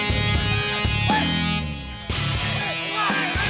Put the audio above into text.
sampai jumpa lagi